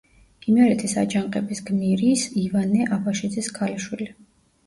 იმერეთის აჯანყების გმირის ივანე აბაშიძის ქალიშვილი.